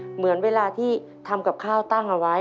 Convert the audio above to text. เหมือนเวลาที่ทำกับข้าวตั้งเอาไว้